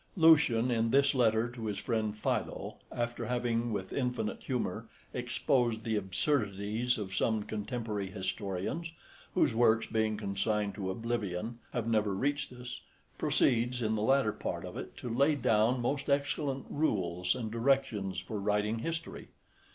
Lucian, in this letter to his friend Philo, after having, with infinite humour, exposed the absurdities of some contemporary historians, whose works, being consigned to oblivion, have never reached us, proceeds, in the latter part of it, to lay down most excellent rules and directions for writing history.